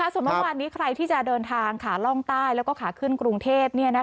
ส่วนเมื่อวานนี้ใครที่จะเดินทางขาล่องใต้แล้วก็ขาขึ้นกรุงเทพ